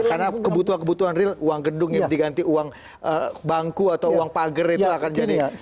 karena kebutuhan kebutuhan real uang gedung yang diganti uang bangku atau uang pagar itu akan jadi